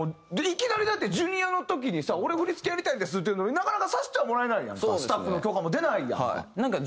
いきなりだってＪｒ．の時にさ「俺振付やりたいです」ってなかなかさせてはもらえないやんか。スタッフの許可も出ないやんか。